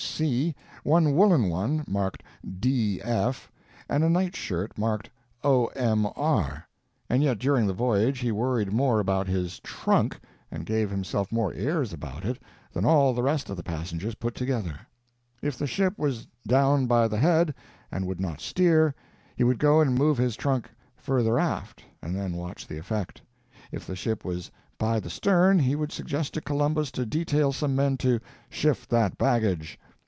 W. C.," one woolen one marked "D. F.," and a night shirt marked "O. M. R." And yet during the voyage he worried more about his "trunk," and gave himself more airs about it, than all the rest of the passengers put together. If the ship was "down by the head," and would not steer, he would go and move his "trunk" further aft, and then watch the effect. If the ship was "by the stern," he would suggest to Columbus to detail some men to "shift that baggage."